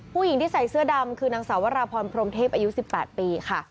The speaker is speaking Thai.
ผู้หญิงที่ใส่เสื้อดำคือนางสาวราพรพรมเทพอายุ๑๘ปีค่ะ